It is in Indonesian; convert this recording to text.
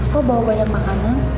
pak bawa banyak makanan